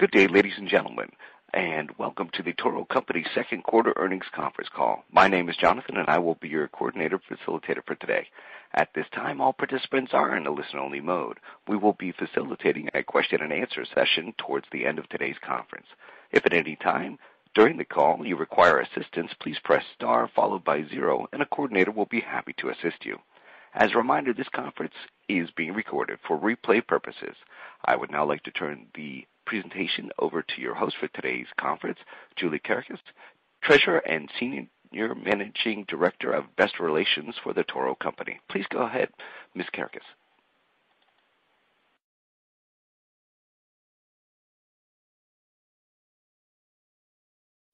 Good day, ladies and gentlemen, and welcome to The Toro Company second quarter earnings conference call. My name is Jonathan, and I will be your coordinator facilitator for today. At this time, all participants are in a listen-only mode. We will be facilitating a question and answer session towards the end of today's conference. If at any time during the call you require assistance, please press star followed by zero, and a coordinator will be happy to assist you. As a reminder, this conference is being recorded for replay purposes. I would now like to turn the presentation over to your host for today's conference, Julie Kerekes, Treasurer and Senior Managing Director of Investor Relations for The Toro Company. Please go ahead, Ms. Kerekes.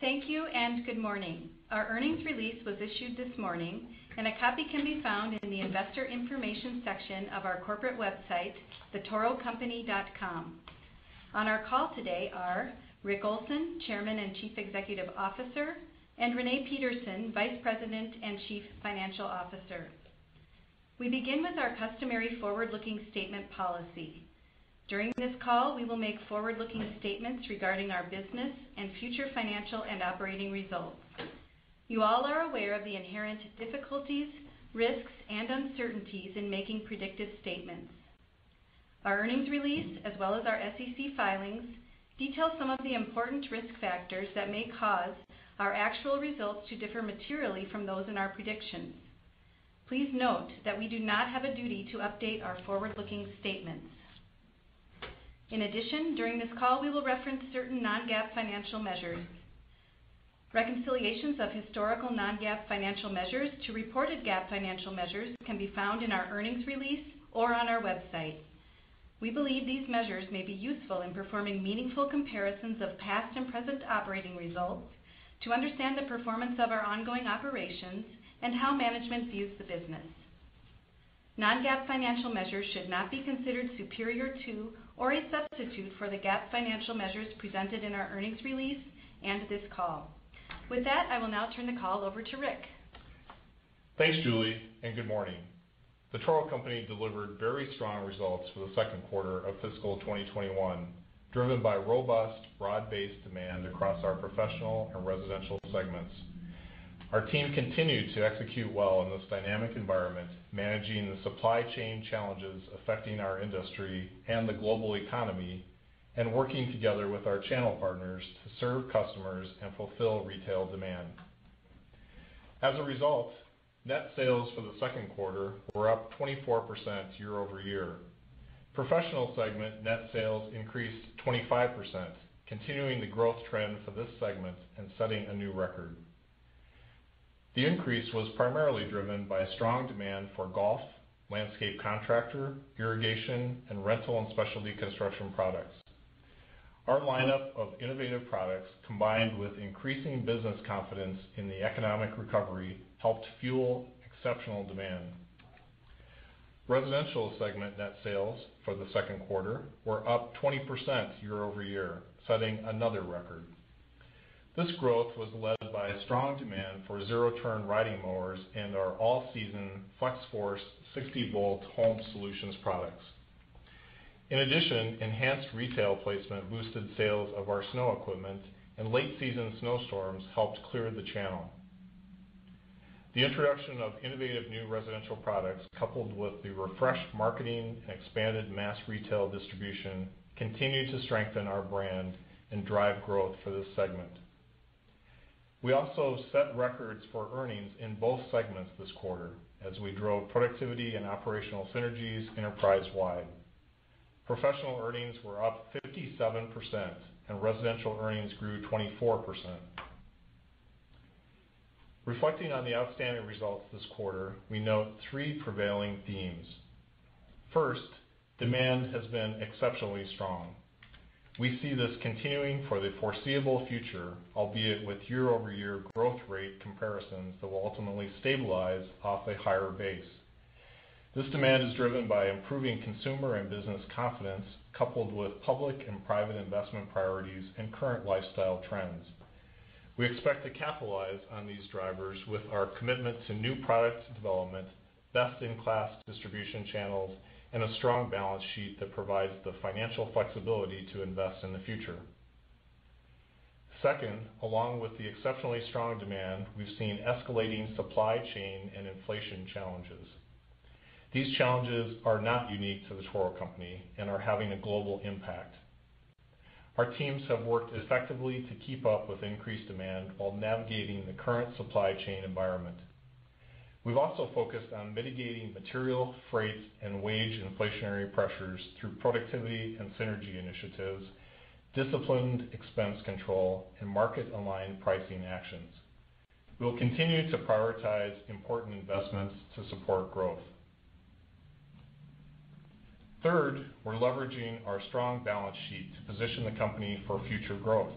Thank you and good morning. Our earnings release was issued this morning, and a copy can be found in the investor information section of our corporate website, thetorocompany.com. On our call today are Rick Olson, Chairman and Chief Executive Officer, and Renee Peterson, Vice President and Chief Financial Officer. We begin with our customary forward-looking statement policy. During this call, we will make forward-looking statements regarding our business and future financial and operating results. You all are aware of the inherent difficulties, risks, and uncertainties in making predictive statements. Our earnings release, as well as our SEC filings, detail some of the important risk factors that may cause our actual results to differ materially from those in our predictions. Please note that we do not have a duty to update our forward-looking statements. In addition, during this call, we will reference certain non-GAAP financial measures. Reconciliations of historical non-GAAP financial measures to reported GAAP financial measures can be found in our earnings release or on our website. We believe these measures may be useful in performing meaningful comparisons of past and present operating results to understand the performance of our ongoing operations and how management views the business. Non-GAAP financial measures should not be considered superior to or a substitute for the GAAP financial measures presented in our earnings release and this call. With that, I will now turn the call over to Rick. Thanks, Julie, and good morning. The Toro Company delivered very strong results for the second quarter of fiscal 2021, driven by robust, broad-based demand across our Professional and Residential segments. Our team continued to execute well in this dynamic environment, managing the supply chain challenges affecting our industry and the global economy and working together with our channel partners to serve customers and fulfill retail demand. As a result, net sales for the second quarter were up 24% year-over-year. Professional segment net sales increased 25%, continuing the growth trend for this segment and setting a new record. The increase was primarily driven by strong demand for golf, landscape contractor, irrigation, and rental and specialty construction products. Our lineup of innovative products, combined with increasing business confidence in the economic recovery, helped fuel exceptional demand. Residential segment net sales for the second quarter were up 20% year-over-year, setting another record. This growth was led by a strong demand for zero-turn riding mowers and our all-season Flex-Force 60 V home solutions products. In addition, enhanced retail placement boosted sales of our snow equipment, and late-season snowstorms helped clear the channel. The introduction of innovative new residential products, coupled with the refreshed marketing and expanded mass retail distribution, continued to strengthen our brand and drive growth for this segment. We also set records for earnings in both segments this quarter as we drove productivity and operational synergies enterprise-wide. Professional earnings were up 57%, and residential earnings grew 24%. Reflecting on the outstanding results this quarter, we note three prevailing themes. First, demand has been exceptionally strong. We see this continuing for the foreseeable future, albeit with year-over-year growth rate comparisons that will ultimately stabilize off a higher base. This demand is driven by improving consumer and business confidence, coupled with public and private investment priorities and current lifestyle trends. We expect to capitalize on these drivers with our commitment to new product development, best-in-class distribution channels, and a strong balance sheet that provides the financial flexibility to invest in the future. Along with the exceptionally strong demand, we've seen escalating supply chain and inflation challenges. These challenges are not unique to The Toro Company and are having a global impact. Our teams have worked effectively to keep up with increased demand while navigating the current supply chain environment. We've also focused on mitigating material, freight, and wage inflationary pressures through productivity and synergy initiatives, disciplined expense control, and market-aligned pricing actions. We will continue to prioritize important investments to support growth. Third, we're leveraging our strong balance sheet to position the company for future growth.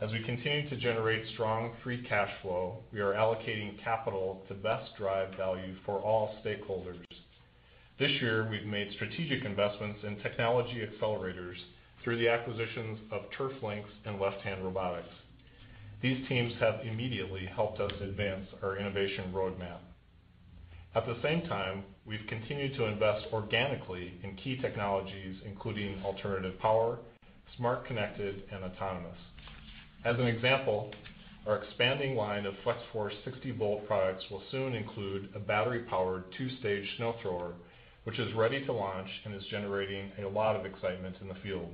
As we continue to generate strong free cash flow, we are allocating capital to best drive value for all stakeholders. This year, we've made strategic investments in technology accelerators through the acquisitions of TURFLYNX and Left Hand Robotics. These teams have immediately helped us advance our innovation roadmap. At the same time, we've continued to invest organically in key technologies, including alternative power, smart, connected, and autonomous. As an example, our expanding line of Flex-Force 60 V products will soon include a battery-powered two-stage snow thrower, which is ready to launch and is generating a lot of excitement in the field.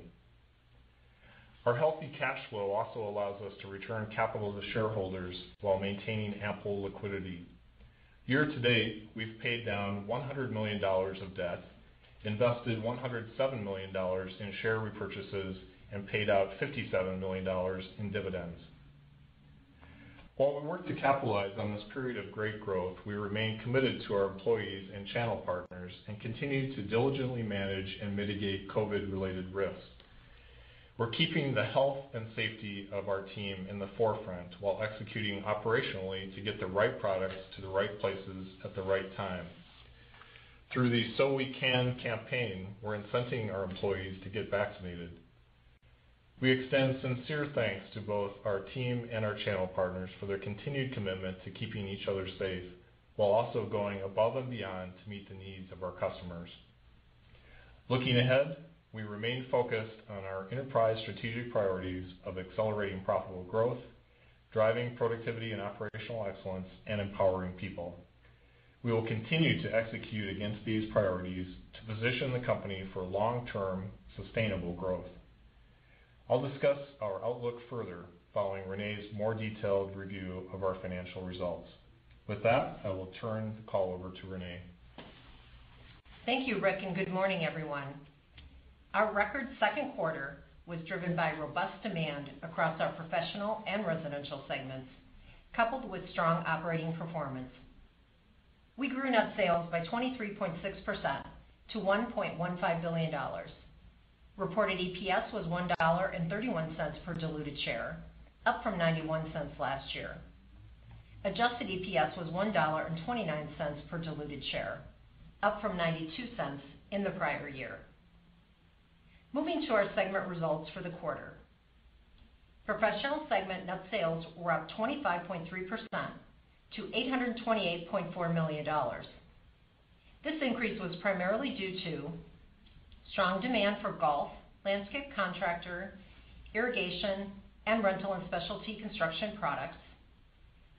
Our healthy cash flow also allows us to return capital to shareholders while maintaining ample liquidity. Year-to-date, we've paid down $100 million of debt, invested $107 million in share repurchases, and paid out $57 million in dividends. While we work to capitalize on this period of great growth, we remain committed to our employees and channel partners and continue to diligently manage and mitigate COVID-related risks. We're keeping the health and safety of our team in the forefront while executing operationally to get the right products to the right places at the right time. Through the So We Can campaign, we're incenting our employees to get vaccinated. We extend sincere thanks to both our team and our channel partners for their continued commitment to keeping each other safe while also going above and beyond to meet the needs of our customers. Looking ahead, we remain focused on our enterprise strategic priorities of accelerating profitable growth, driving productivity and operational excellence, and empowering people. We will continue to execute against these priorities to position the company for long-term sustainable growth. I'll discuss our outlook further following Renee's more detailed review of our financial results. With that, I will turn the call over to Renee. Thank you, Rick, and good morning, everyone. Our record second quarter was driven by robust demand across our professional and residential segments, coupled with strong operating performance. We grew net sales by 23.6% to $1.15 billion. Reported EPS was $1.31 per diluted share, up from $0.91 last year. Adjusted EPS was $1.29 per diluted share, up from $0.92 in the prior year. Moving to our segment results for the quarter. Professional segment net sales were up 25.3% to $828.4 million. This increase was primarily due to strong demand for golf, landscape contractor, irrigation, and rental and specialty construction products,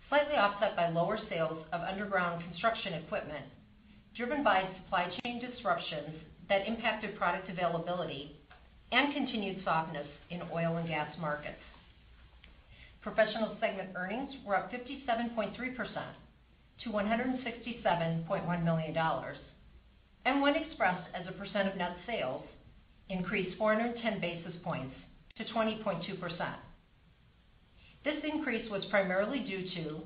slightly offset by lower sales of underground construction equipment driven by supply chain disruptions that impacted product availability and continued softness in oil and gas markets. Professional segment earnings were up 57.3% to $167.1 million, and when expressed as a percent of net sales, increased 410 basis points to 20.2%. This increase was primarily due to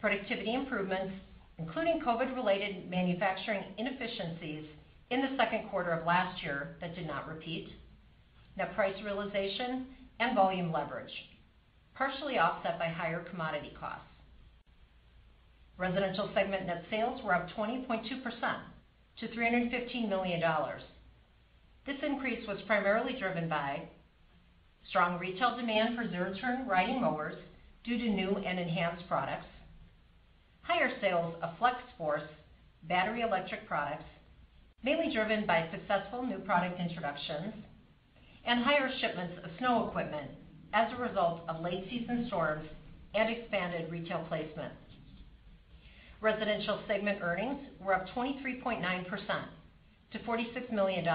productivity improvements, including COVID-related manufacturing inefficiencies in the second quarter of last year that did not repeat, net price realization, and volume leverage, partially offset by higher commodity costs. Residential segment net sales were up 20.2% to $315 million. This increase was primarily driven by strong retail demand for zero-turn riding mowers due to new and enhanced products, higher sales of Flex-Force battery electric products, mainly driven by successful new product introductions, and higher shipments of snow equipment as a result of late-season storms and expanded retail placement. Residential segment earnings were up 23.9% to $46 million,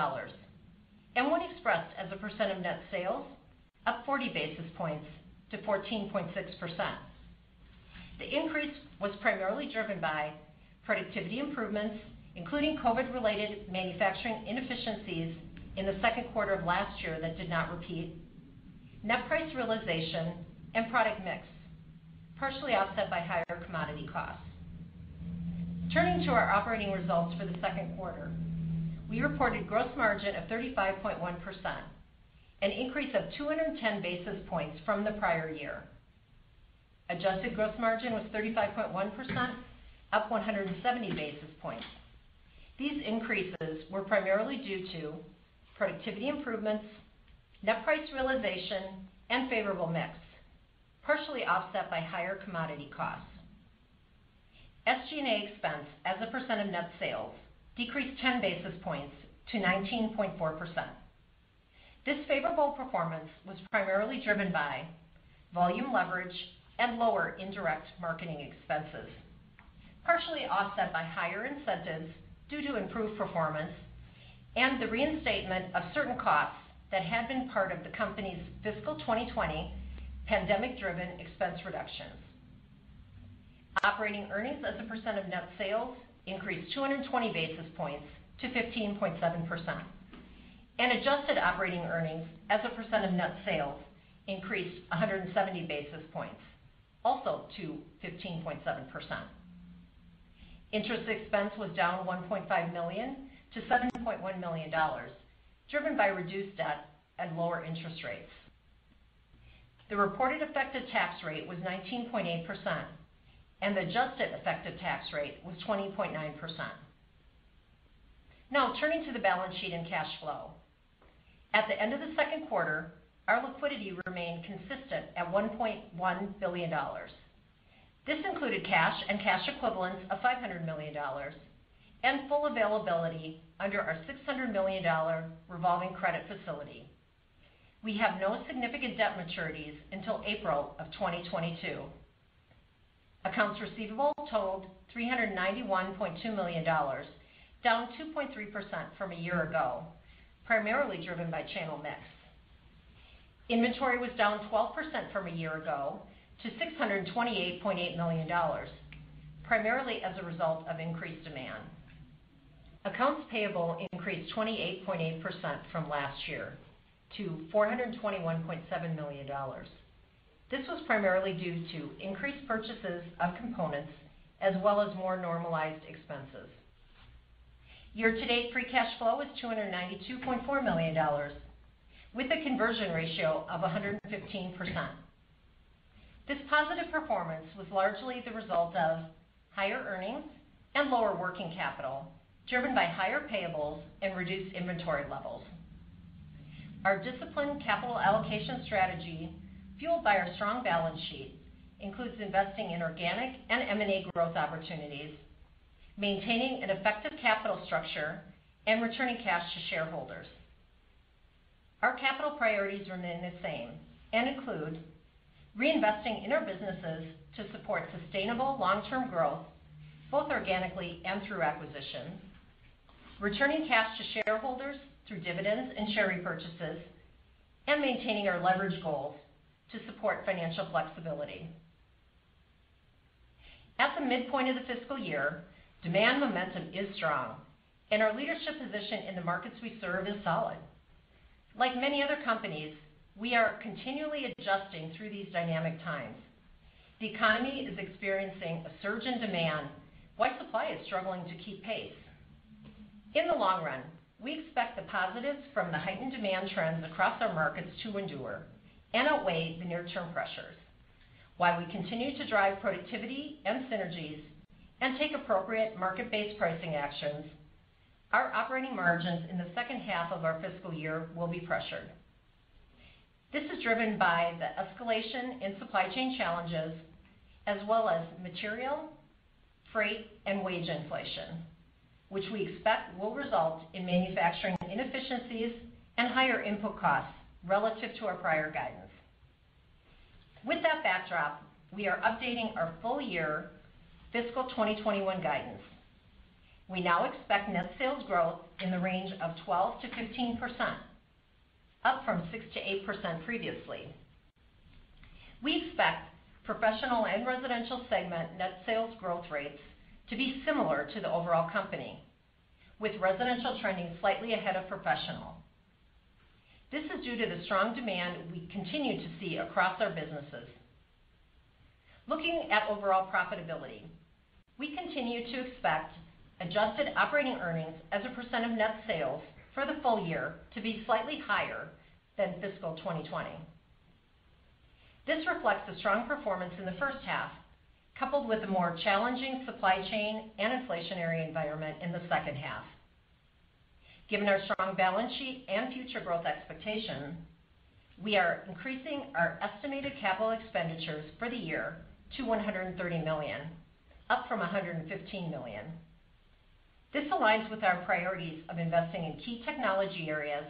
and when expressed as a percent of net sales, up 40 basis points to 14.6%. The increase was primarily driven by productivity improvements, including COVID-related manufacturing inefficiencies in the second quarter of last year that did not repeat, net price realization, and product mix, partially offset by higher commodity costs. Turning to our operating results for the second quarter. We reported gross margin of 35.1%, an increase of 210 basis points from the prior year. Adjusted gross margin was 35.1%, up 170 basis points. These increases were primarily due to productivity improvements, net price realization, and favorable mix, partially offset by higher commodity costs. SG&A expense as a percent of net sales decreased 10 basis points to 19.4%. This favorable performance was primarily driven by volume leverage and lower indirect marketing expenses, partially offset by higher incentives due to improved performance and the reinstatement of certain costs that had been part of the company's fiscal 2020 pandemic-driven expense reductions. Operating earnings as a percent of net sales increased 220 basis points to 15.7%, and adjusted operating earnings as a percent of net sales increased 170 basis points, also to 15.7%. Interest expense was down $1.5 million to $7.1 million, driven by reduced debt and lower interest rates. The reported effective tax rate was 19.8%, and the adjusted effective tax rate was 20.9%. Now turning to the balance sheet and cash flow. At the end of the second quarter, our liquidity remained consistent at $1.1 billion. This included cash and cash equivalents of $500 million and full availability under our $600 million revolving credit facility. We have no significant debt maturities until April of 2022. Accounts receivable totaled $391.2 million, down 2.3% from a year ago, primarily driven by channel mix. Inventory was down 12% from a year ago to $628.8 million, primarily as a result of increased demand. Accounts payable increased 28.8% from last year to $421.7 million. This was primarily due to increased purchases of components as well as more normalized expenses. Year-to-date free cash flow was $292.4 million, with a conversion ratio of 115%. This positive performance was largely the result of higher earnings and lower working capital, driven by higher payables and reduced inventory levels. Our disciplined capital allocation strategy, fueled by our strong balance sheet, includes investing in organic and M&A growth opportunities, maintaining an effective capital structure, and returning cash to shareholders. Our capital priorities remain the same and include reinvesting in our businesses to support sustainable long-term growth, both organically and through acquisition, returning cash to shareholders through dividends and share repurchases, and maintaining our leverage goals to support financial flexibility. At the midpoint of the fiscal year, demand momentum is strong, and our leadership position in the markets we serve is solid. Like many other companies, we are continually adjusting through these dynamic times. The economy is experiencing a surge in demand while supply is struggling to keep pace. In the long run, we expect the positives from the heightened demand trends across our markets to endure and outweigh the near-term pressures. While we continue to drive productivity and synergies and take appropriate market-based pricing actions, our operating margins in the second half of our fiscal year will be pressured. This is driven by the escalation in supply chain challenges as well as material, freight, and wage inflation, which we expect will result in manufacturing inefficiencies and higher input costs relative to our prior guidance. With that backdrop, we are updating our full-year fiscal 2021 guidance. We now expect net sales growth in the range of 12%-15%, up from 6%-8% previously. We expect Professional and Residential segment net sales growth rates to be similar to the overall company, with Residential trending slightly ahead of Professional. This is due to the strong demand we continue to see across our businesses. Looking at overall profitability, we continue to expect adjusted operating earnings as a percent of net sales for the full year to be slightly higher than fiscal 2020. This reflects the strong performance in the first half, coupled with a more challenging supply chain and inflationary environment in the second half. Given our strong balance sheet and future growth expectations, we are increasing our estimated capital expenditures for the year to $130 million, up from $115 million. This aligns with our priorities of investing in key technology areas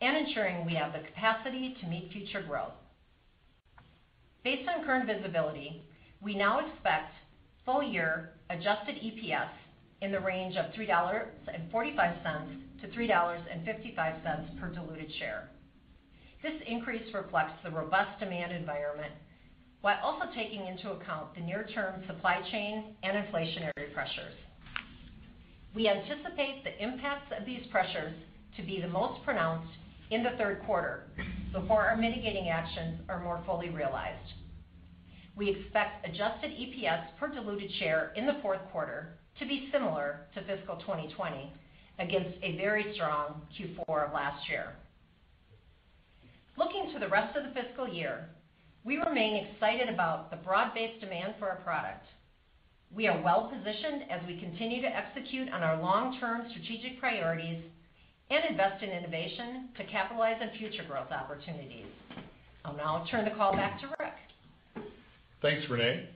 and ensuring we have the capacity to meet future growth. Based on current visibility, we now expect full-year adjusted EPS in the range of $3.45-$3.55 per diluted share. This increase reflects the robust demand environment while also taking into account the near-term supply chain and inflationary pressures. We anticipate the impacts of these pressures to be the most pronounced in the third quarter before our mitigating actions are more fully realized. We expect adjusted EPS per diluted share in the fourth quarter to be similar to fiscal 2020 against a very strong Q4 of last year. Looking to the rest of the fiscal year, we remain excited about the broad-based demand for our products. We are well-positioned as we continue to execute on our long-term strategic priorities and invest in innovation to capitalize on future growth opportunities. I'll now turn the call back to Rick. Thanks, Renee.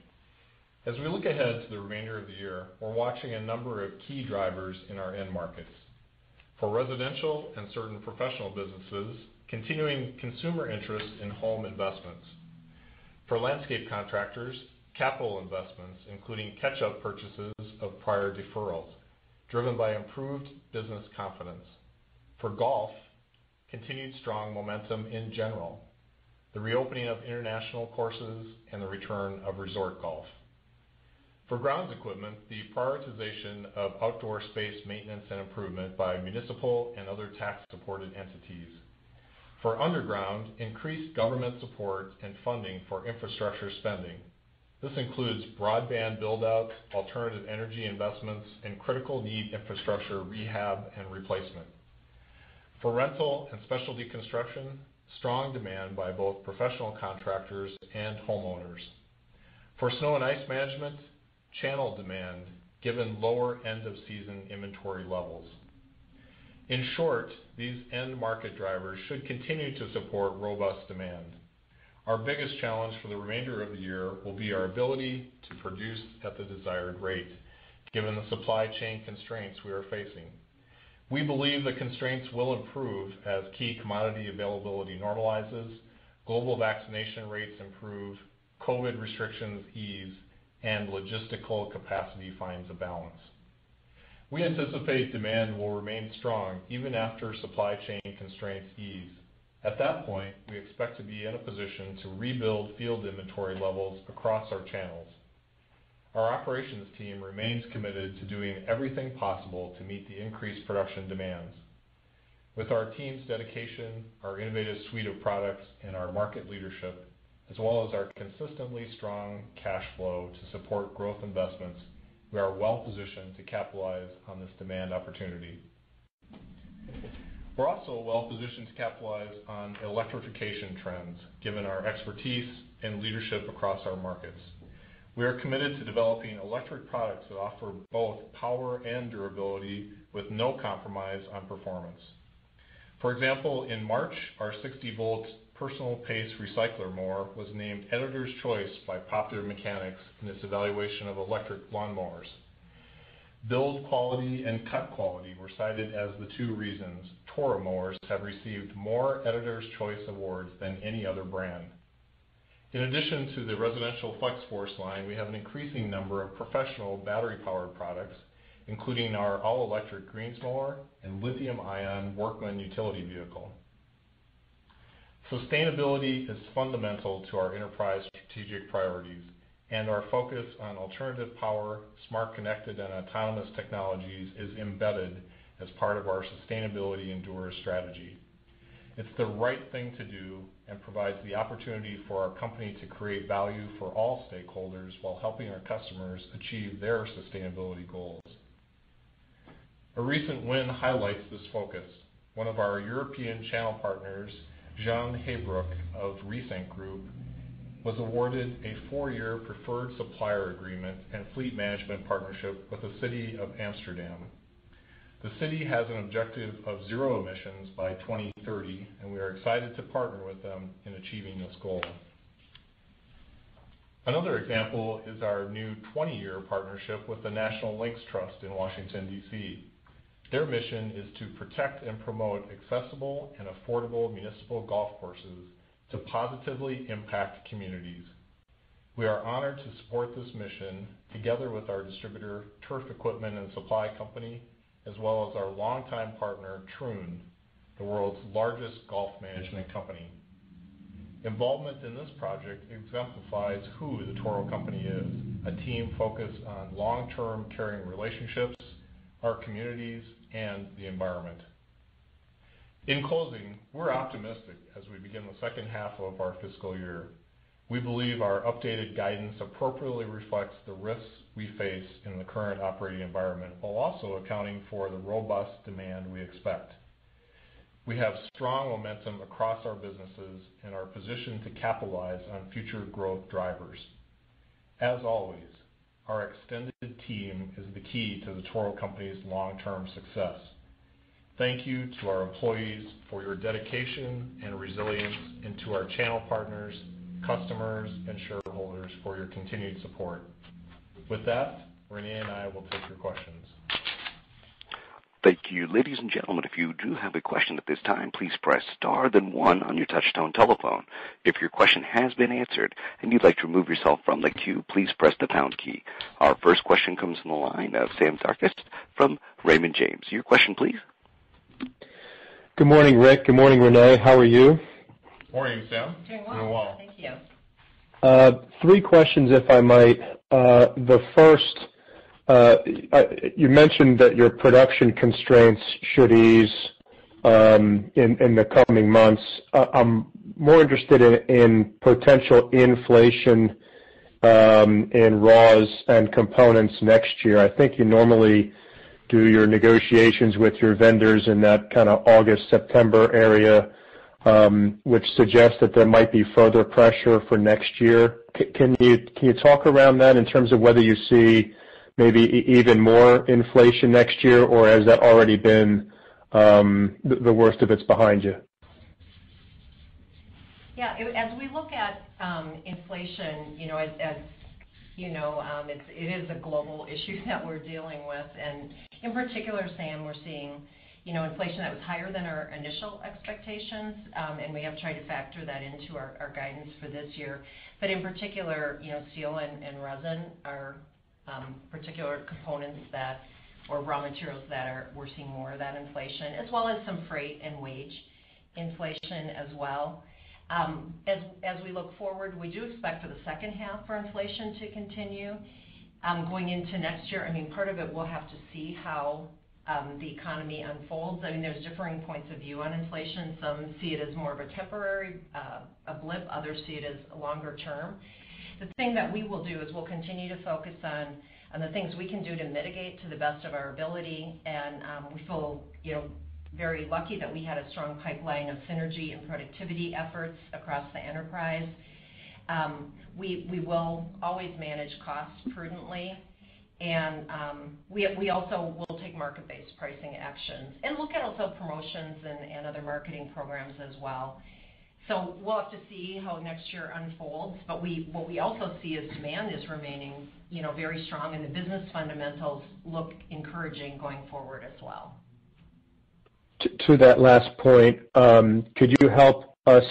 As we look ahead to the remainder of the year, we're watching a number of key drivers in our end markets. For Residential and certain Professional businesses, continuing consumer interest in home investments. For Landscape Contractors, capital investments, including catch-up purchases of prior deferrals, driven by improved business confidence. For Golf, continued strong momentum in general, the reopening of international courses, and the return of resort golf. For Grounds Equipment, the prioritization of outdoor space maintenance and improvement by municipal and other tax-supported entities. For Underground, increased government support and funding for infrastructure spending. This includes broadband build-out, alternative energy investments, and critical need infrastructure rehab and replacement. For rental and specialty construction, strong demand by both professional contractors and homeowners. For snow and ice management, channel demand, given lower end-of-season inventory levels. In short, these end market drivers should continue to support robust demand. Our biggest challenge for the remainder of the year will be our ability to produce at the desired rate, given the supply chain constraints we are facing. We believe the constraints will improve as key commodity availability normalizes, global vaccination rates improve, COVID restrictions ease, and logistical capacity finds a balance. We anticipate demand will remain strong even after supply chain constraints ease. At that point, we expect to be in a position to rebuild field inventory levels across our channels. Our operations team remains committed to doing everything possible to meet the increased production demands. With our team's dedication, our innovative suite of products, and our market leadership, as well as our consistently strong cash flow to support growth investments, we are well-positioned to capitalize on this demand opportunity. We're also well-positioned to capitalize on electrification trends, given our expertise and leadership across our markets. We are committed to developing electric products that offer both power and durability with no compromise on performance. For example, in March, our 60 V Personal Pace Recycler mower was named Editor's Choice by Popular Mechanics in its evaluation of electric lawnmowers. Build quality and cut quality were cited as the two reasons Toro mowers have received more Editor's Choice Awards than any other brand. In addition to the residential Flex-Force line, we have an increasing number of professional battery-powered products, including our all-electric greens mower and lithium-ion Workman utility vehicle. Sustainability is fundamental to our enterprise strategic priorities, and our focus on alternative power, smart connected, and autonomous technologies is embedded as part of our Sustainability Endures strategy. It's the right thing to do and provides the opportunity for our company to create value for all stakeholders while helping our customers achieve their sustainability goals. A recent win highlights this focus. One of our European channel partners, Jean Heybroek of the Reesink Group, was awarded a four-year preferred supplier agreement and fleet management partnership with the City of Amsterdam. The city has an objective of zero emissions by 2030. We are excited to partner with them in achieving this goal. Another example is our new 20-year partnership with the National Links Trust in Washington, D.C. Their mission is to protect and promote accessible and affordable municipal golf courses to positively impact communities. We are honored to support this mission together with our distributor, Turf Equipment and Supply Company, as well as our longtime partner, Troon, the world's largest golf management company. Involvement in this project exemplifies who The Toro Company is, a team focused on long-term caring relationships, our communities, and the environment. In closing, we're optimistic as we begin the second half of our fiscal year. We believe our updated guidance appropriately reflects the risks we face in the current operating environment while also accounting for the robust demand we expect. We have strong momentum across our businesses and are positioned to capitalize on future growth drivers. As always, our extended team is the key to The Toro Company's long-term success. Thank you to our employees for your dedication and resilience, and to our channel partners, customers, and shareholders for your continued support. With that, Renee and I will take your questions. Thank you. Ladies and gentlemen, Our first question comes from the line of Sam Darkatsh from Raymond James. Your question, please. Good morning, Rick. Good morning, Renee. How are you? Morning, Sam. I'm well. I'm well, thank you. Three questions, if I might. The first, you mentioned that your production constraints should ease in the coming months. I'm more interested in potential inflation in raws and components next year. I think you normally do your negotiations with your vendors in that kind of August, September area, which suggests that there might be further pressure for next year. Can you talk around that in terms of whether you see maybe even more inflation next year, or has that already been the worst of it's behind you? Yeah. As we look at inflation, it is a global issue that we're dealing with. In particular, Sam, we're seeing inflation that was higher than our initial expectations, and we have tried to factor that into our guidance for this year. In particular, steel and resin are particular components that, or raw materials that are we're seeing more of that inflation, as well as some freight and wage inflation as well. As we look forward, we do expect for the second half for inflation to continue. Going into next year, part of it we'll have to see how the economy unfolds. I think there's differing points of view on inflation. Some see it as more of a temporary blip. Others see it as longer term. The thing that we will do is we'll continue to focus on the things we can do to mitigate to the best of our ability, and we feel very lucky that we had a strong pipeline of synergy and productivity efforts across the enterprise. We will always manage costs prudently, and we also will take market-based pricing actions and look at also promotions and other marketing programs as well. We'll have to see how next year unfolds, but what we also see is demand is remaining very strong, and the business fundamentals look encouraging going forward as well. To that last point, could you help us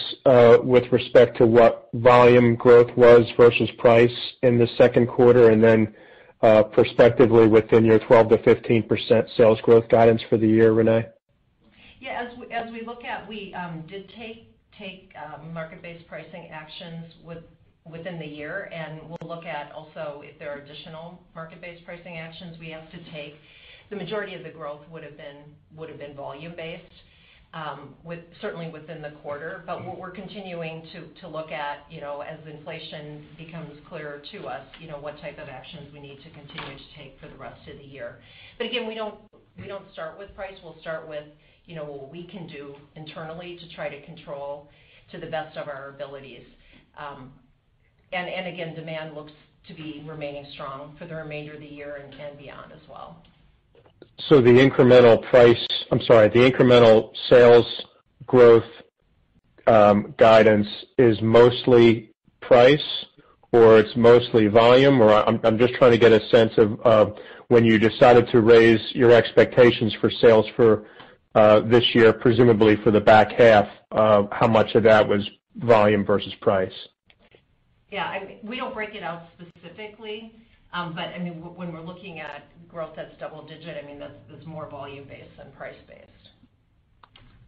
with respect to what volume growth was versus price in the second quarter, and then prospectively within your 12%-15% sales growth guidance for the year, Renee? Yeah. As we look at, we did take market-based pricing actions within the year, and we'll look at also if there are additional market-based pricing actions we have to take. The majority of the growth would've been volume-based, certainly within the quarter. What we're continuing to look at as inflation becomes clearer to us, what type of actions we need to continue to take for the rest of the year. Again, we don't start with price. We'll start with what we can do internally to try to control to the best of our abilities. Again, demand looks to be remaining strong for the remainder of the year and beyond as well. The incremental sales growth guidance is mostly price, or it's mostly volume? I'm just trying to get a sense of when you decided to raise your expectations for sales for this year, presumably for the back half, how much of that was volume versus price? Yeah. We don't break it out specifically. When we're looking at growth that's double digit, it's more volume-based than price-based.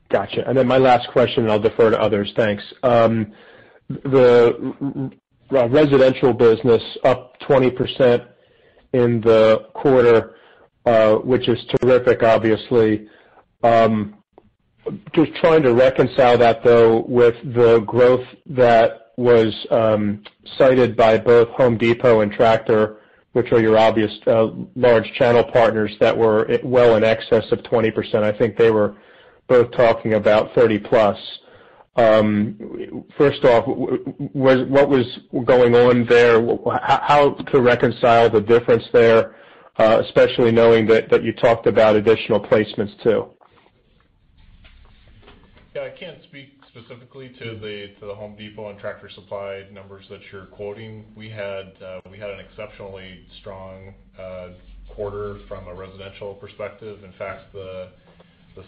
Got you. My last question, I'll defer to others. Thanks. The residential business up 20% in the quarter, which is terrific, obviously. Just trying to reconcile that, though, with the growth that was cited by both The Home Depot and Tractor, which are your obvious large channel partners that were well in excess of 20%. I think they were both talking about 30%+. First off, what was going on there? How to reconcile the difference there, especially knowing that you talked about additional placements, too? Yeah. I can't speak specifically to The Home Depot and Tractor Supply numbers that you're quoting. We had an exceptionally strong quarter from a residential perspective. In fact, the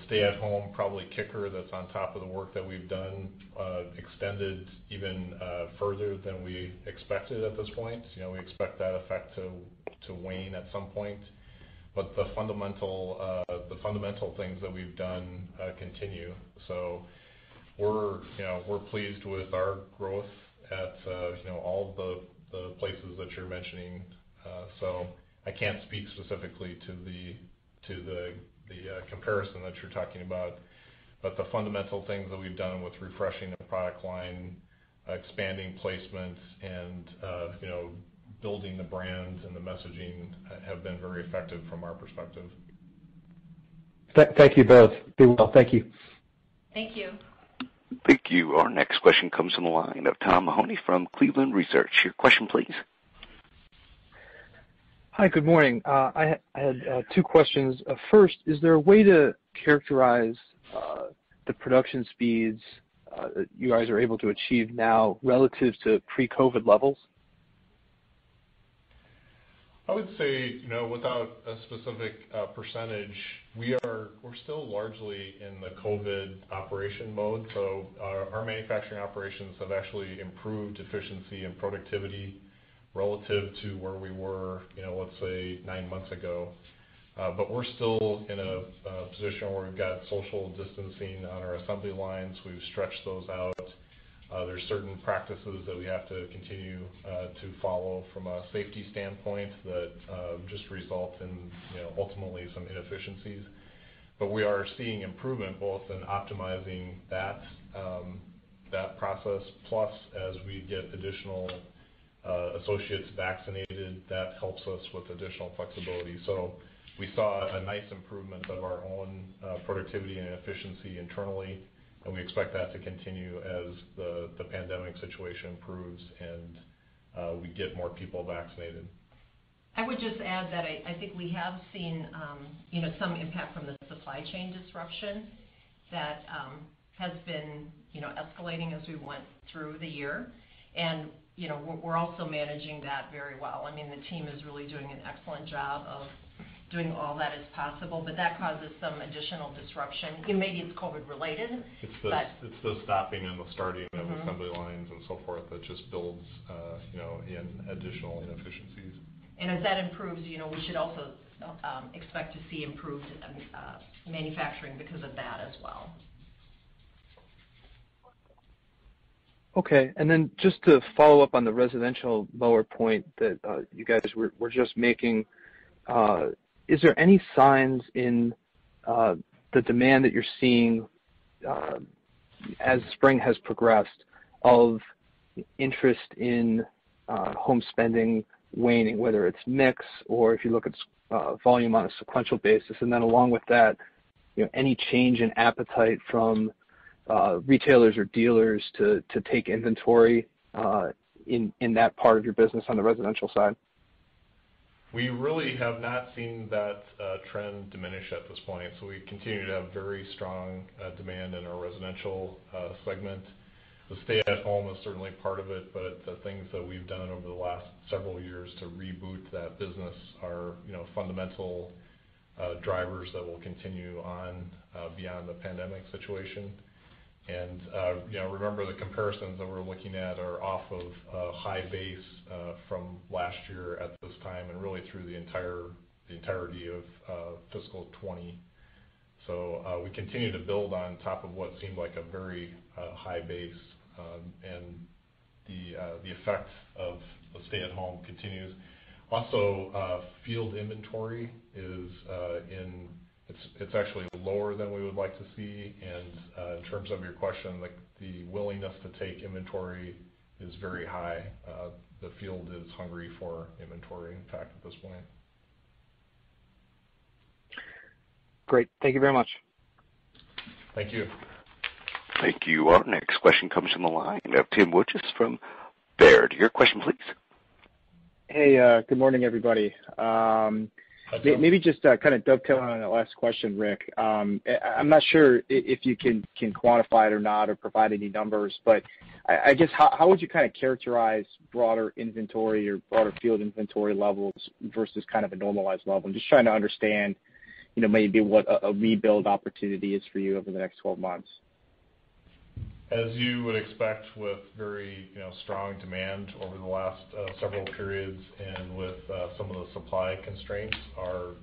stay-at-home probably kicker that's on top of the work that we've done extended even further than we expected at this point. We expect that effect to wane at some point. The fundamental things that we've done continue. We're pleased with our growth at all of the places that you're mentioning. I can't speak specifically to the comparison that you're talking about. The fundamental things that we've done with refreshing the product line, expanding placements, and building the brands and the messaging have been very effective from our perspective. Thank you both. Be well. Thank you. Thank you. Thank you. Our next question comes on the line of Tom Mahoney from Cleveland Research. Your question, please. Hi. Good morning. I have two questions. First, is there a way to characterize the production speeds that you guys are able to achieve now relative to pre-COVID levels? I would say, without a specific percentage, we're still largely in the COVID operation mode. Our manufacturing operations have actually improved efficiency and productivity relative to where we were, let's say, nine months ago. We're still in a position where we've got social distancing on our assembly lines. We've stretched those out. There's certain practices that we have to continue to follow from a safety standpoint that just result in ultimately some inefficiencies. We are seeing improvement both in optimizing that process, plus as we get additional associates vaccinated, that helps us with additional flexibility. We saw a nice improvement of our own productivity and efficiency internally, and we expect that to continue as the pandemic situation improves and we get more people vaccinated. I would just add that I think we have seen some impact from the supply chain disruption that has been escalating as we went through the year. We're also managing that very well. The team is really doing an excellent job of doing all that is possible, but that causes some additional disruption. It may be COVID related. It's the stopping and the starting of assembly lines and so forth that just builds in additional inefficiencies. As that improves, we should also expect to see improved manufacturing because of that as well. Okay. Just to follow up on the residential lower point that you guys were just making, is there any signs in the demand that you're seeing as spring has progressed of interest in home spending waning, whether it's mix or if you look at volume on a sequential basis? Along with that, any change in appetite from retailers or dealers to take inventory in that part of your business on the residential side? We really have not seen that trend diminish at this point. We continue to have very strong demand in our residential segment. The stay-at-home is certainly part of it, but the things that we've done over the last several years to reboot that business are fundamental drivers that will continue on beyond the pandemic situation. Remember the comparisons that we're looking at are off of a high base from last year at this time, and really through the entirety of fiscal 2020. We continue to build on top of what seemed like a very high base. The effect of stay-at-home continues. Also, field inventory, it's actually lower than we would like to see. In terms of your question, the willingness to take inventory is very high. The field is hungry for inventory, in fact, at this point. Great. Thank you very much. Thank you. Thank you. Our next question comes from the line of Tim Wojs from Baird. Your question, please. Hey, good morning, everybody. Good morning. Maybe just to kind of dovetail on that last question, Rick, I'm not sure if you can quantify it or not or provide any numbers, I guess, how would you characterize broader inventory or broader field inventory levels versus a normalized level? I'm just trying to understand maybe what a rebuild opportunity is for you over the next 12 months. As you would expect with very strong demand over the last several periods and with some of the supply constraints, our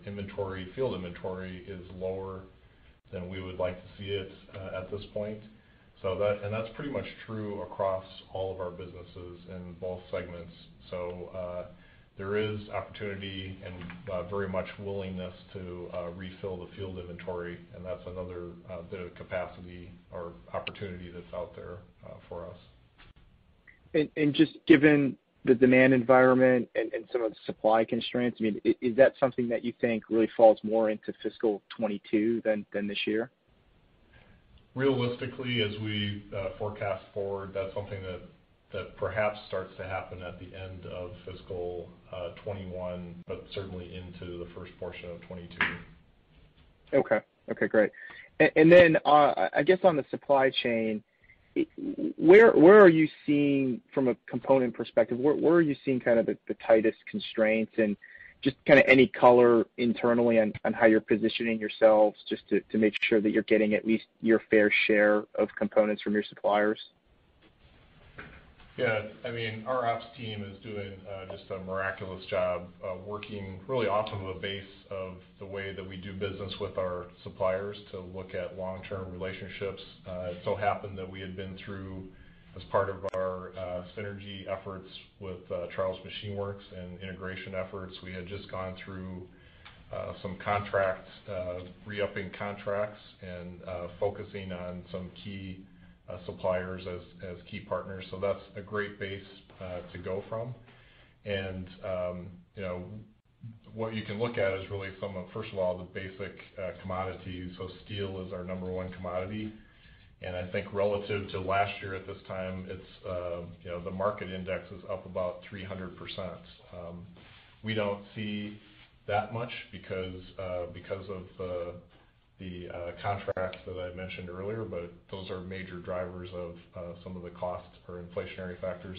field inventory is lower than we would like to see it at this point. That's pretty much true across all of our businesses in both segments. There is opportunity and very much willingness to refill the field inventory, and that's another capacity or opportunity that's out there for us. Just given the demand environment and some of the supply constraints, is that something that you think really falls more into fiscal 2022 than this year? Realistically, as we forecast forward, that's something that perhaps starts to happen at the end of fiscal 2021, but certainly into the first portion of 2022. Okay. Great. I guess on the supply chain, from a component perspective, where are you seeing the tightest constraints? Just any color internally on how you're positioning yourselves just to make sure that you're getting at least your fair share of components from your suppliers? Yeah. Our ops team is doing just a miraculous job, working really off of a base of the way that we do business with our suppliers to look at long-term relationships. It so happened that we had been through, as part of our synergy efforts with Charles Machine Works and integration efforts, we had just gone through re-upping contracts and focusing on some key suppliers as key partners. That's a great base to go from. What you can look at is really some of, first of all, the basic commodities. Steel is our number one commodity, and I think relative to last year at this time, the market index is up about 300%. We don't see that much because of the contracts that I mentioned earlier, but those are major drivers of some of the costs or inflationary factors.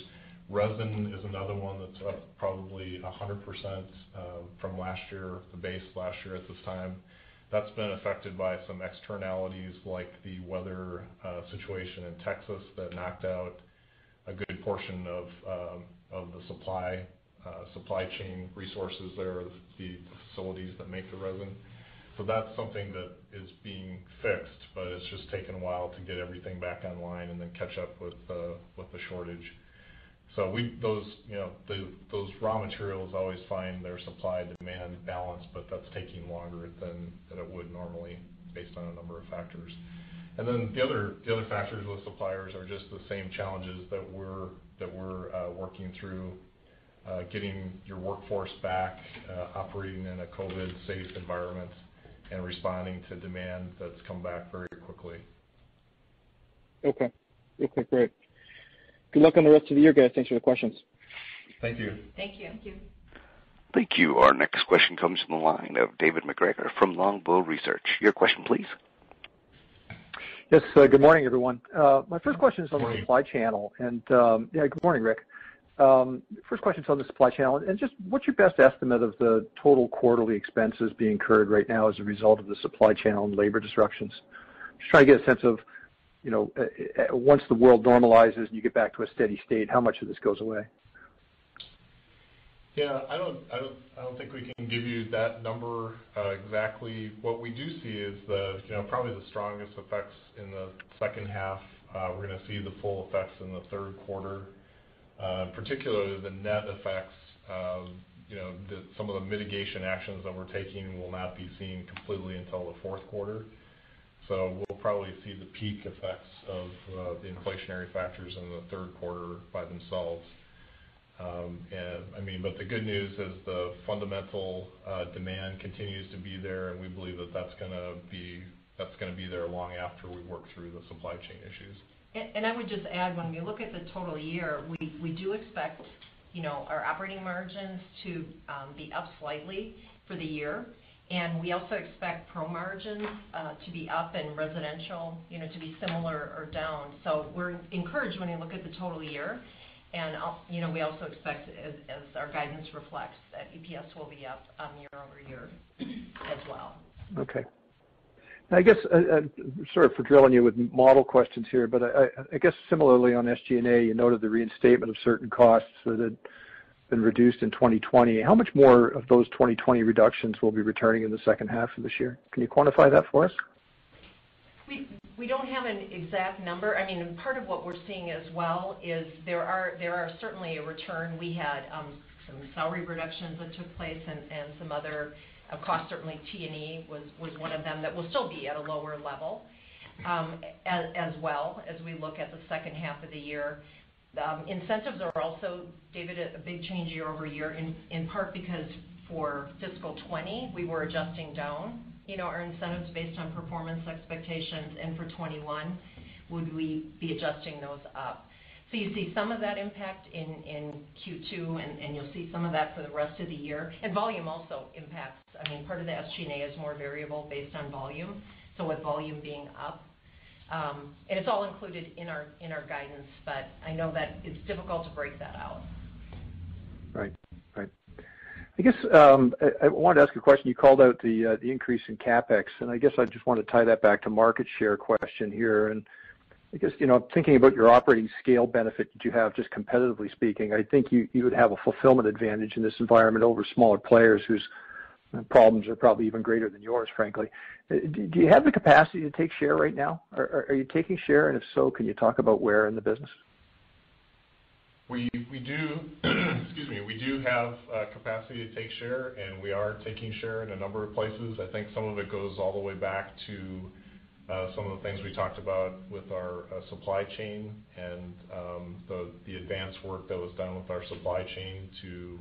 Resin is another one that's up probably 100% from the base last year at this time. That's been affected by some externalities like the weather situation in Texas that knocked out a good portion of the supply chain resources there, the facilities that make the resin. That's something that is being fixed, but it's just taken a while to get everything back online and then catch up with the shortage. Those raw materials always find their supply/demand balance, but that's taking longer than it would normally based on a number of factors. The other factors with suppliers are just the same challenges that we're working through, getting your workforce back, operating in a COVID safe environment, and responding to demand that's come back very quickly. Okay. Great. Good luck on the rest of your day. Thanks for the questions. Thank you. Thank you. Thank you. Thank you. Our next question comes from the line of David MacGregor from Longbow Research. Your question, please. Yes. Good morning, everyone. My first question's on the supply channel. Yeah, good morning, Rick. First question's on the supply chain. Just what's your best estimate of the total quarterly expenses being incurred right now as a result of the supply chain and labor disruptions? Just trying to get a sense of once the world normalizes and you get back to a steady state, how much of this goes away? Yeah, I don't think we can give you that number exactly. What we do see is probably the strongest effects in the second half. We're going to see the full effects in the third quarter. Particularly the net effects of some of the mitigation actions that we're taking will not be seen completely until the fourth quarter. We'll probably see the peak effects of the inflationary factors in the third quarter by themselves. The good news is the fundamental demand continues to be there, and we believe that that's going to be there long after we work through the supply chain issues. I would just add, when we look at the total year, we do expect our operating margins to be up slightly for the year. We also expect pro margins to be up and residential to be similar or down. We're encouraged when you look at the total year. We also expect, as our guidance reflects, that EPS will be up on year-over-year as well. Okay. Sorry for drilling you with model questions here, I guess similarly on SG&A, you noted the reinstatement of certain costs that had been reduced in 2020. How much more of those 2020 reductions will be returning in the second half of this year? Can you quantify that for us? We don't have an exact number. Part of what we're seeing as well is there are certainly a return. We had some salary reductions that took place and some other costs. Certainly, T&E was one of them that will still be at a lower level as well as we look at the second half of the year. Incentives are also guided at a big change year-over-year, in part because for fiscal 2020, we were adjusting down our incentives based on performance expectations, and for 2021, would we be adjusting those up. You see some of that impact in Q2, and you'll see some of that for the rest of the year. Volume also impacts. Part of the SG&A is more variable based on volume. With volume being up, it's all included in our guidance, but I know that it's difficult to break that out. Right. I guess I wanted to ask you a question. You called out the increase in CapEx, and I guess I just want to tie that back to market share question here. I guess, thinking about your operating scale benefit that you have, just competitively speaking, I think you would have a fulfillment advantage in this environment over smaller players whose problems are probably even greater than yours, frankly. Do you have the capacity to take share right now? Are you taking share? If so, can you talk about where in the business? We do have capacity to take share, and we are taking share in a number of places. I think some of it goes all the way back to some of the things we talked about with our supply chain and the advanced work that was done with our supply chain to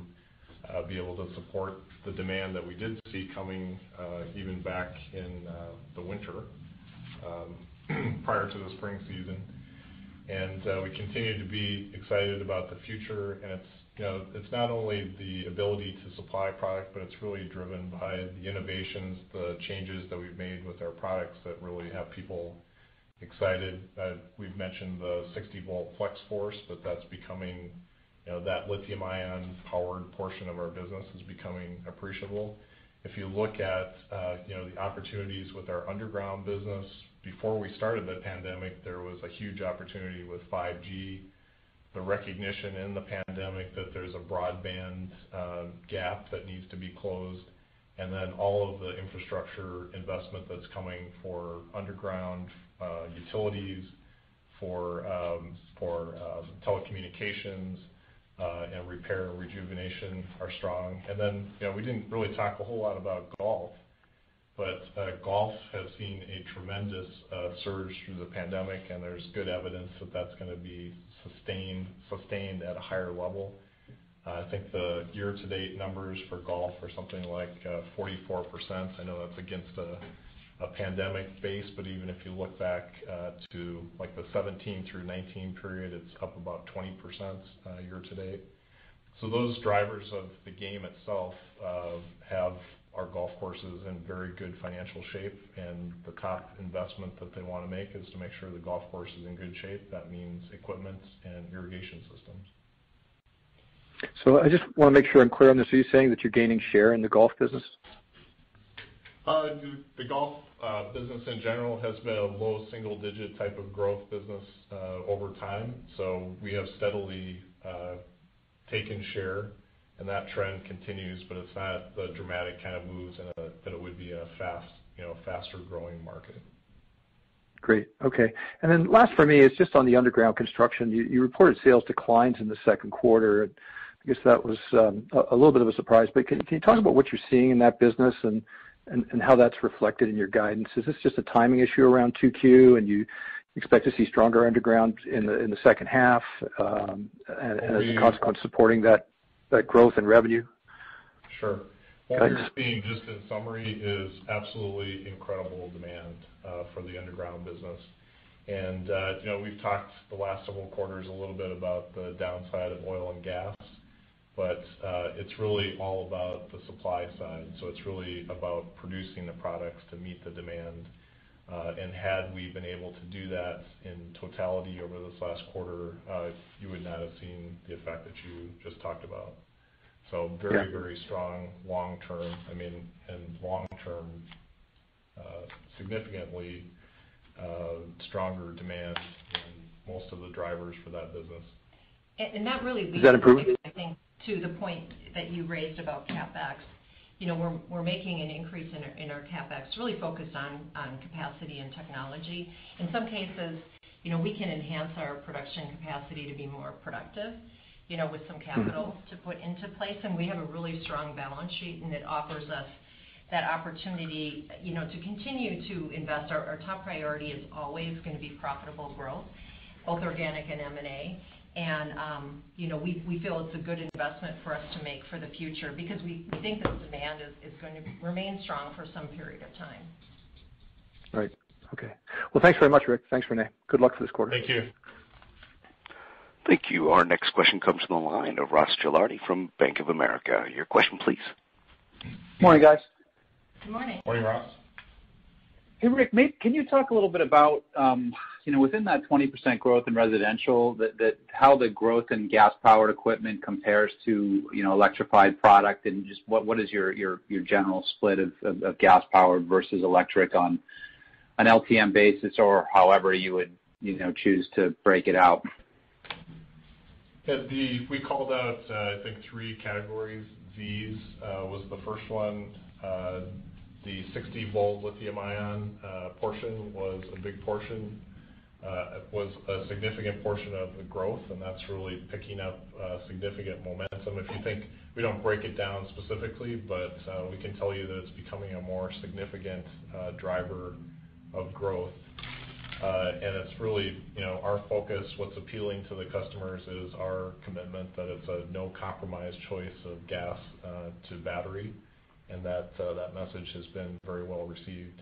be able to support the demand that we did see coming even back in the winter prior to the spring season. We continue to be excited about the future. It's not only the ability to supply product, but it's really driven by the innovations, the changes that we've made with our products that really have people excited. We've mentioned the 60 V Flex-Force, that's becoming that lithium-ion powered portion of our business is becoming appreciable. If you look at the opportunities with our underground business, before we started the pandemic, there was a huge opportunity with 5G. The recognition in the pandemic that there's a broadband gap that needs to be closed, all of the infrastructure investment that's coming for underground utilities, for telecommunications, and repair and rejuvenation are strong. We didn't really talk a whole lot about golf, but golf has seen a tremendous surge through the pandemic, and there's good evidence that that's going to be sustained at a higher level. I think the year-to-date numbers for golf are something like 44%. I know that's against a pandemic base, but even if you look back to the 2017 through 2019 period, it's up about 20% year-to-date. Those drivers of the game itself have our golf courses in very good financial shape, and the investment that they want to make is to make sure the golf course is in good shape. That means equipment and irrigation systems. I just want to make sure I'm clear on this. You're saying that you're gaining share in the golf business? The golf business in general has been a low single-digit type of growth business over time. We have steadily taken share, and that trend continues, but it's not the dramatic kind of moves that it would be a faster-growing market. Great. Okay. Then last for me, it's just on the underground construction. You reported sales declines in the second quarter. I guess that was a little bit of a surprise. Can you talk about what you're seeing in that business and how that's reflected in your guidance? Is this just a timing issue around 2Q, and you expect to see stronger underground in the second half as [cost] is supporting that growth in revenue? Sure. What we're seeing, just in summary, is absolutely incredible demand for the underground business. We've talked the last several quarters a little bit about the downside of oil and gas. It's really all about the supply side. It's really about producing the products to meet the demand. Had we been able to do that in totality over this last quarter, you would not have seen the effect that you just talked about. Very, very strong long term. Long term, significantly stronger demand than most of the drivers for that business. And that really leads- Is that good? to the point that you raised about CapEx. We're making an increase in our CapEx really focused on capacity and technology. In some cases, we can enhance our production capacity to be more productive, with some capital to put into place. We have a really strong balance sheet, and it offers us that opportunity to continue to invest. Our top priority is always going to be profitable growth, both organic and M&A. We feel it's a good investment for us to make for the future because we think that demand is going to remain strong for some period of time. Right. Okay. Well, thanks very much, Rick. Thanks, Renee. Good luck this quarter. Thank you. Thank you. Our next question comes from the line of Ross Gilardi from Bank of America. Your question, please. Good morning, guys. Good morning. Morning, Ross. Hey, Rick, can you talk a little bit about within that 20% growth in residential, how the growth in gas-powered equipment compares to electrified product, and just what is your general split of gas-powered versus electric on an OPE basis or however you would choose to break it out? Yeah. We called out, I think, three categories. Z's was the first one. The 60 V lithium-ion portion was a big portion, was a significant portion of the growth, and that's really picking up significant momentum. If you think, we don't break it down specifically, but we can tell you that it's becoming a more significant driver of growth. It's really our focus, what's appealing to the customers is our commitment that it's a no-compromise choice of gas to battery, and that message has been very well received.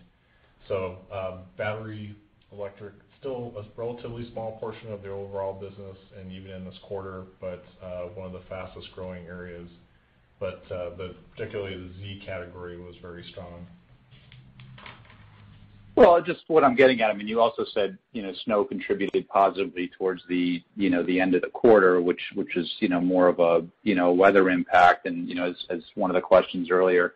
Battery electric, still a relatively small portion of the overall business and even this quarter, but one of the fastest-growing areas. Particularly the Z category was very strong. Well, just what I'm getting at, you also said snow contributed positively towards the end of the quarter, which is more of a weather impact. As one of the questions earlier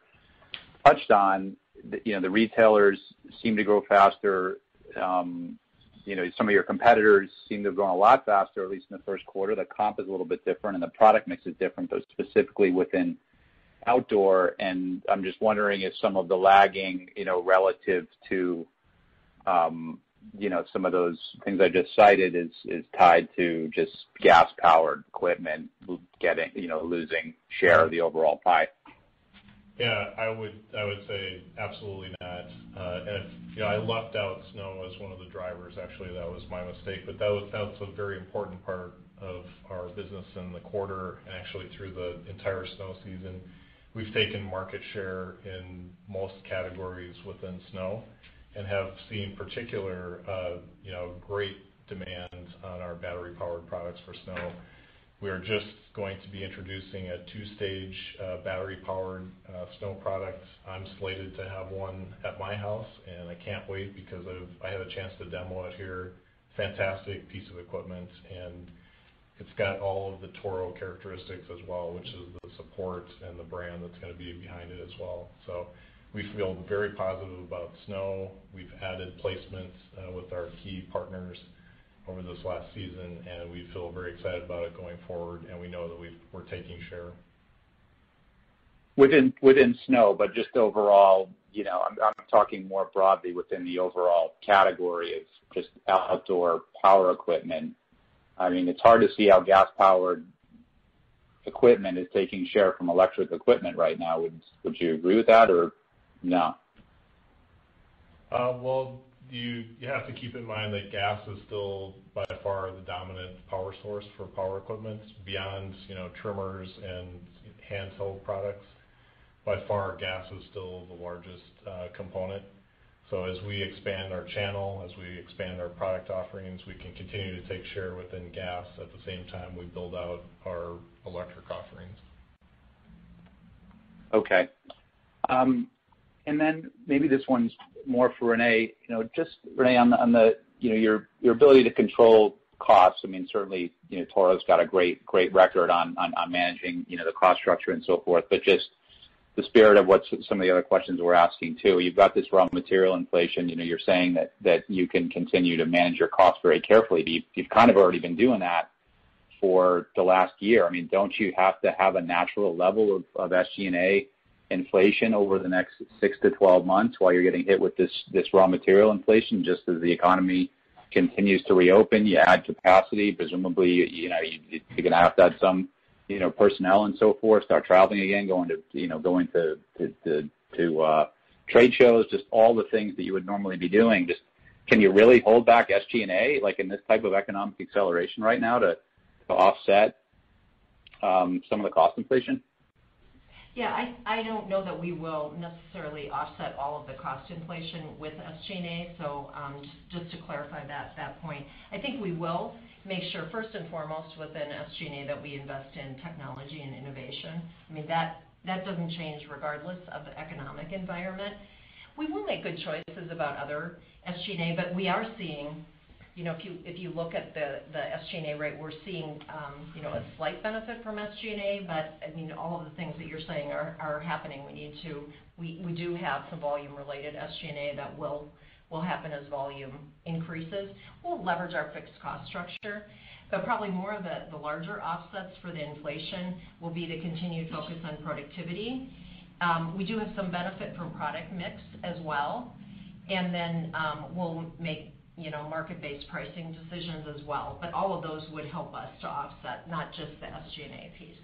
touched on, the retailers seem to grow faster. Some of your competitors seem to grow a lot faster, at least in the first quarter. The comp is a little bit different and the product mix is different, but specifically within outdoor, and I'm just wondering if some of the lagging, relative to some of those things I just cited, is tied to just gas-powered equipment losing share of the overall pie. Yeah, I would say absolutely not. If I left out snow as one of the drivers, actually, that was my mistake, but that's a very important part of our business in the quarter and actually through the entire snow season. We've taken market share in most categories within snow and have seen particular great demand on our battery-powered products for snow. We are just going to be introducing a two-stage battery-powered snow product. I'm slated to have one at my house, and I can't wait because I had a chance to demo it here. Fantastic piece of equipment, and it's got all of the Toro characteristics as well, which is the support and the brand that's going to be behind it as well. We feel very positive about snow. We've added placements with our key partners over this last season, and we feel very excited about it going forward, and we know that we're taking share. Within snow, but just overall, I'm talking more broadly within the overall category of just outdoor power equipment. It's hard to see how gas-powered equipment is taking share from electric equipment right now. Would you agree with that or no? Well, you have to keep in mind that gas is still by far the dominant power source for power equipment beyond trimmers and handheld products. By far, gas is still the largest component. As we expand our channel, as we expand our product offerings, we can continue to take share within gas. At the same time, we build out our electric offerings. Okay. Maybe this one's more for Renee. Just Renee, on your ability to control costs, certainly Toro's got a great record on managing the cost structure and so forth. Just the spirit of what some of the other questions we're asking, too. You've got this raw material inflation. You're saying that you can continue to manage your costs very carefully. You've kind of already been doing that for the last year. Don't you have to have a natural level of SG&A inflation over the next six to 12 months while you're getting hit with this raw material inflation, just as the economy continues to reopen? You add capacity, presumably, you're going to have to add some personnel and so forth, start traveling again, going to trade shows. Just all the things that you would normally be doing. Just can you really hold back SG&A, like in this type of economic acceleration right now to offset some of the cost inflation? Yeah, I don't know that we will necessarily offset all of the cost inflation with SG&A. Just to clarify that point, I think we will make sure, first and foremost, within SG&A, that we invest in technology and innovation. That doesn't change regardless of the economic environment. We will make good choices about other SG&A, we are seeing, if you look at the SG&A rate, we're seeing a slight benefit from SG&A. All of the things that you're saying are happening. We do have some volume-related SG&A that will happen as volume increases. We'll leverage our fixed cost structure. Probably more of the larger offsets for the inflation will be the continued focus on productivity. We do have some benefit from product mix as well, and then we'll make market-based pricing decisions as well. All of those would help us to offset, not just the SG&A piece.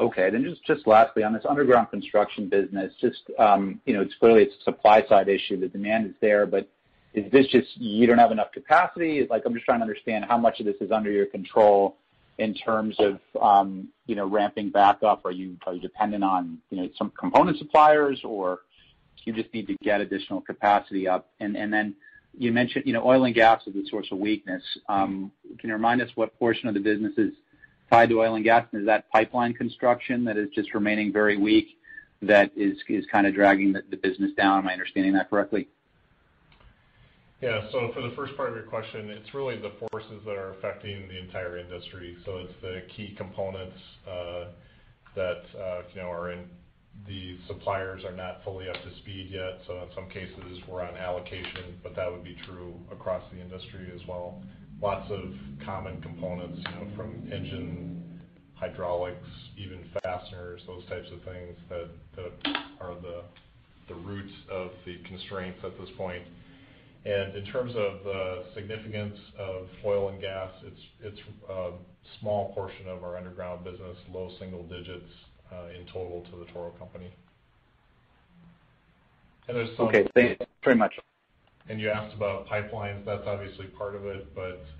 Okay. Just lastly, on this underground construction business, clearly it's a supply side issue. The demand is there, is this just you don't have enough capacity? I'm just trying to understand how much of this is under your control in terms of ramping back up. Are you probably dependent on some component suppliers, or do you just need to get additional capacity up? You mentioned oil and gas as a source of weakness. Can you remind us what portion of the business is tied to oil and gas? Is that pipeline construction that is just remaining very weak that is kind of dragging the business down? Am I understanding that correctly? Yeah. For the first part of your question, it's really the forces that are affecting the entire industry. It's the key components that the suppliers are not fully up to speed yet. In some cases, an allocation, but that would be true across the industry as well. Lots of common components from engine hydraulics, even fasteners, those types of things that are the roots of the constraints at this point. In terms of the significance of oil and gas, it's a small portion of our underground business, low single digits in total to The Toro Company. You've asked about pipeline, that's obviously part of it.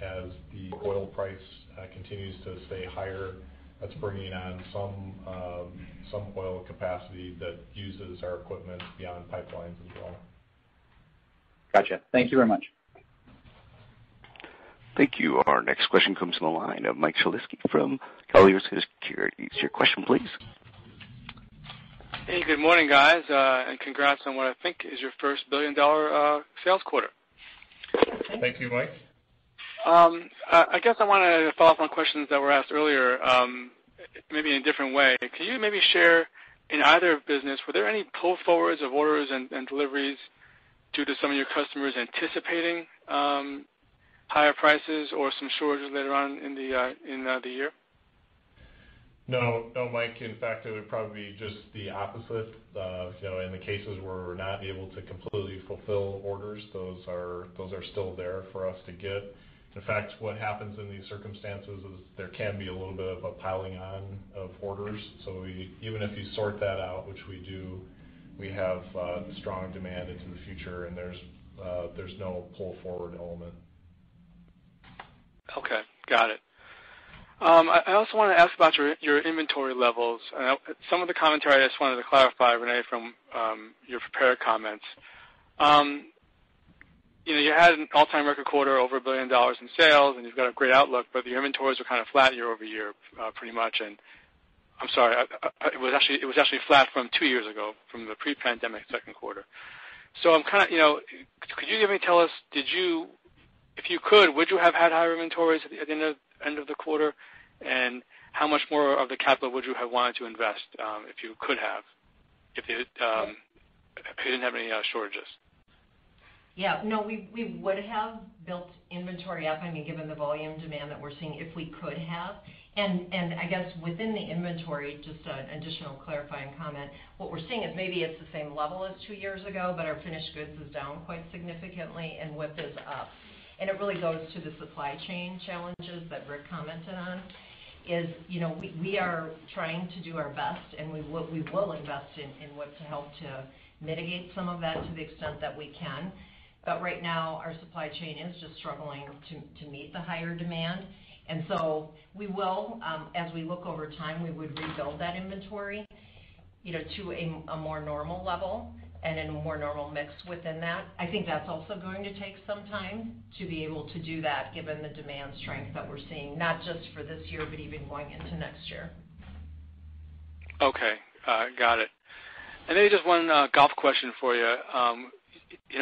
As the oil price continues to go higher that's bringing on some oil capacity that uses our equipment beyond pipelines as well. Okay. Thank you very much. Thank you. Our next question comes from the line of Mike Shlisky from Colliers Securities. Your question, please. Hey, good morning, guys, congrats on what I think is your first $1 billion sales quarter. Thank you, Mike. I guess I want to follow up on questions that were asked earlier maybe in a different way. Can you maybe share in either business, were there any pull forwards of orders and deliveries due to some of your customers anticipating higher prices or some shortage later on in either year? No, Mike. In fact, it would probably be just the opposite. In the cases where we're not able to completely fulfill orders, those are still there for us to get. In fact, what happens in these circumstances is there can be a little bit of a piling on of orders. Even if you sort that out, which we do, we have strong demand into the future, and there's no pull-forward element. Okay. Got it. I also want to ask about your inventory levels and some of the commentary I just wanted to clarify, Renee, from your prepared comments. You had an all-time record quarter, over $1 billion in sales, and you've got a great outlook, but your inventories are kind of flat year-over-year pretty much, and I'm sorry it was actually flat from two years ago from the pre-pandemic second quarter. Could you maybe tell us, if you could, would you have had higher inventories at the end of the quarter? How much more of the capital would you have wanted to invest if you could have, if you didn't have any shortages? Yeah. No, we would have built inventory up, I mean, given the volume demand that we're seeing, if we could have. I guess within the inventory, just an additional clarifying comment, what we're seeing is maybe it's the same level as two years ago, our finished goods is down quite significantly. It really goes to the supply chain challenges that Rick commented on is we are trying to do our best, and we will invest in what to help to mitigate some of that to the extent that we can. Right now, our supply chain is just struggling to meet the higher demand. We will as we look over time, we would rebuild that inventory to a more normal level and a more normal mix within that. I think that's also going to take some time to be able to do that given the demand strength that we're seeing, not just for this year, but even going into next year. Okay. Got it. Then just one golf question for you.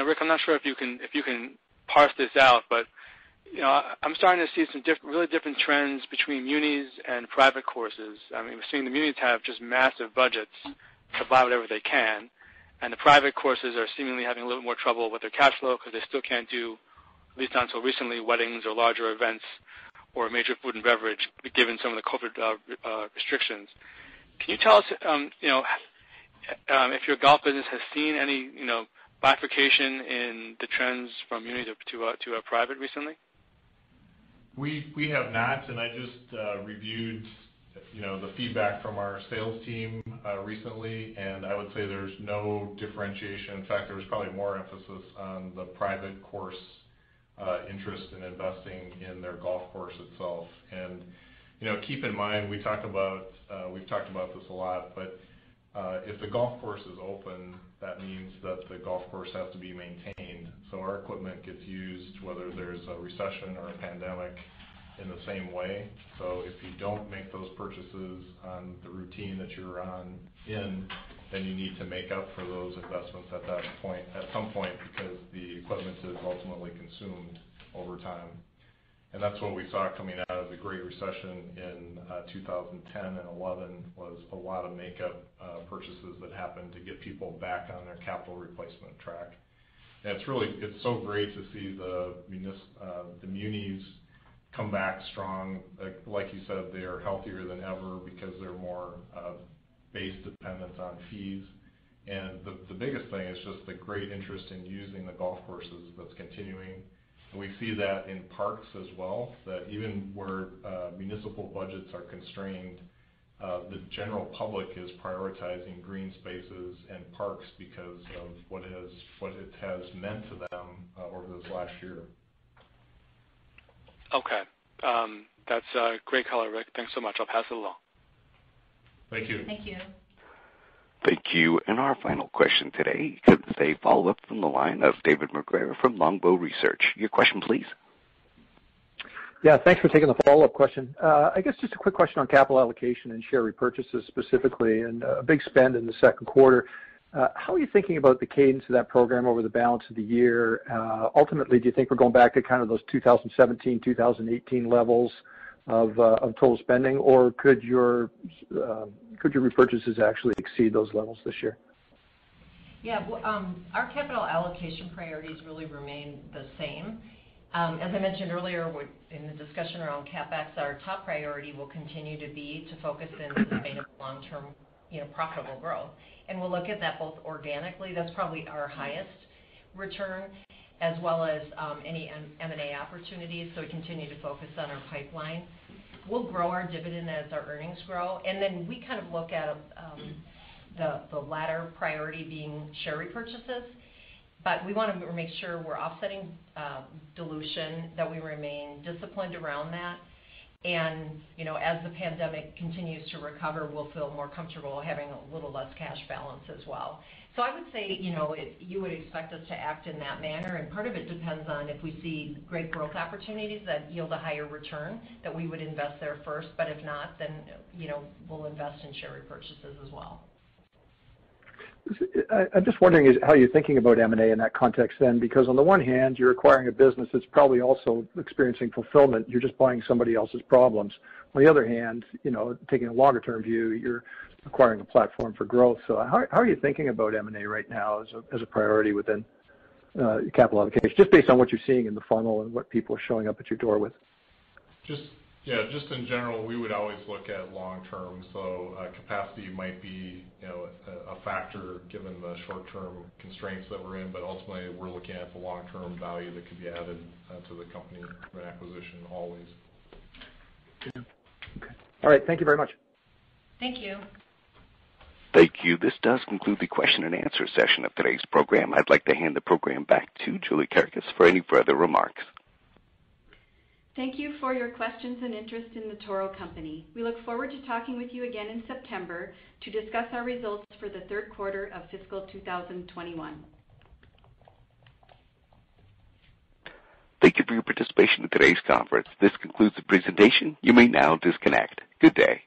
Rick, I'm not sure if you can parse this out, I'm starting to see some really different trends between munis and private courses. We're seeing the munis have just massive budgets to buy whatever they can, the private courses are seemingly having a little more trouble with their cash flow because they still can't do, at least until recently, weddings or larger events or major food and beverage given some of the COVID restrictions. Can you tell us if your golf business has seen any bifurcation in the trends from muni to private recently? We have not. I just reviewed the feedback from our sales team recently, and I would say there's no differentiation. In fact, there's probably more emphasis on the private course interest in investing in their golf course itself. Keep in mind, we've talked about this a lot, but if the golf course is open, that means that the golf course has to be maintained. Our equipment gets used whether there's a recession or a pandemic in the same way. If you don't make those purchases on the routine that you're on in, then you need to make up for those investments at some point because the equipment is ultimately consumed over time. That's what we saw coming out of the Great Recession in 2010 and 2011 was a lot of makeup purchases that happened to get people back on their capital replacement track. It's so great to see the munis come back strong. Like you said, they are healthier than ever because they're more base dependent on fees. The biggest thing is just the great interest in using the golf courses that's continuing. We see that in parks as well, that even where municipal budgets are constrained, the general public is prioritizing green spaces and parks because of what it has meant to them over this last year. Okay. That's great color, Rick. Thanks so much. I'll pass it along. Thank you. Thank you. Thank you. Our final question today, it's a follow-up from the line of David MacGregor from Longbow Research. Your question, please. Thanks for taking the follow-up question. I guess just a quick question on capital allocation and share repurchases specifically and a big spend in the second quarter. How are you thinking about the cadence of that program over the balance of the year? Ultimately, do you think we're going back to those 2017, 2018 levels of total spending, or could your repurchases actually exceed those levels this year? Yeah. Our capital allocation priorities really remain the same. As I mentioned earlier in the discussion around CapEx, our top priority will continue to be to focus in sustainable long-term profitable growth. We'll look at that both organically, that's probably our highest return, as well as any M&A opportunities. We continue to focus on our pipeline. We'll grow our dividend as our earnings grow, and then we look at the latter priority being share repurchases. We want to make sure we're offsetting dilution, that we remain disciplined around that. As the pandemic continues to recover, we'll feel more comfortable having a little less cash balance as well. I would say, you would expect us to act in that manner, and part of it depends on if we see great growth opportunities that yield a higher return, that we would invest there first. If not, we'll invest in share repurchases as well. I'm just wondering how you're thinking about M&A in that context then, because on the one hand, you're acquiring a business that's probably also experiencing fulfillment. You're just buying somebody else's problems. On the other hand, taking a longer-term view, you're acquiring a platform for growth. How are you thinking about M&A right now as a priority within capital allocation, just based on what you're seeing in the funnel and what people are showing up at your door with? Just in general, we would always look at long term. Capacity might be a factor given the short-term constraints that we're in, but ultimately, we're looking at the long-term value that could be added to the company from an acquisition always. Okay. All right. Thank you very much. Thank you. Thank you. This does conclude the question and answer session of today's program. I'd like to hand the program back to Julie Kerekes for any further remarks. Thank you for your questions and interest in The Toro Company. We look forward to talking with you again in September to discuss our results for the third quarter of fiscal 2021. Thank you for your participation in today's conference. This concludes the presentation. You may now disconnect. Good day.